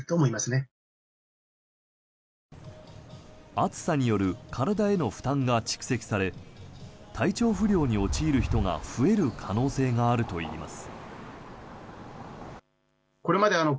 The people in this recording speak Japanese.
暑さによる体への負担が蓄積され体調不良に陥る人が増える可能性があるといいます。